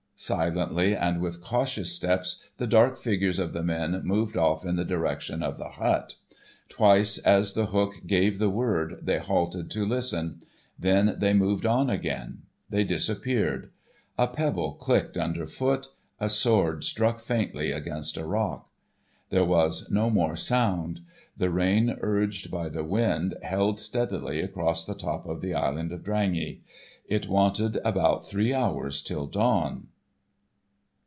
Silently and with cautious steps the dark figures of the men moved off in the direction of the hut. Twice, as The Hook gave the word, they halted to listen. Then they moved on again. They disappeared. A pebble clicked under foot, a sword struck faintly against a rock. There was no more sound. The rain urged by the wind held steadily across the top of the Island of Drangey. It wanted about three hours till dawn.